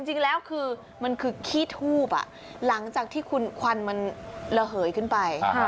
จริงแล้วคือมันคือขี้ทูบหลังจากที่คุณควันมันระเหยขึ้นไป